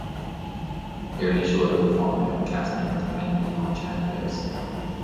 Early shows were performed by having cast members manually launch hand flares.